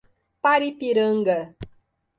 Paripiranga